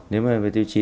nếu mà về tiêu chí